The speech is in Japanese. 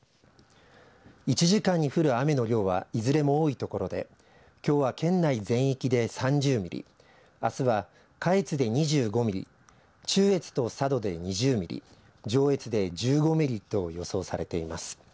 １時間に降る雨の量はいずれも多いところできょうは県内全域で３０ミリあすは下越で２５ミリ中越と佐渡で２０ミリ上越で１５ミリと予想されています。